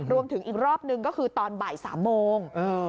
อีกรอบนึงก็คือตอนบ่าย๓โมง